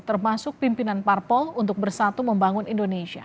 termasuk pimpinan parpol untuk bersatu membangun indonesia